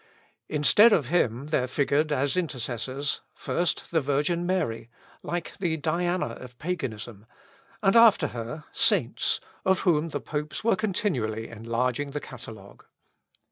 Instead of him there figured as intercessors, first the Virgin Mary, like the Diana of Paganism, and after her saints, of whom the popes were continually enlarging the catalogue.